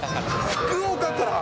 福岡から？